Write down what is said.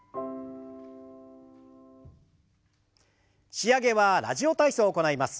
仕上げは「ラジオ体操」を行います。